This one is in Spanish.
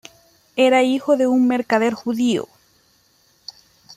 Era hijo de un mercader judío.